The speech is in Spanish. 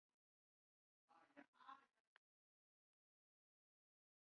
Es Doctor en Derecho Canónico.